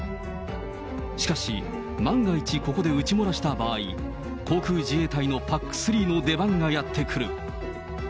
しかし、万が一ここで撃ち漏らした場合、航空自衛隊のＰＡＣ３の出番がやって来る。